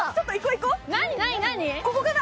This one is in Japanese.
ここかな？